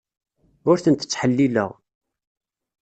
Ur tent-ttḥellileɣ.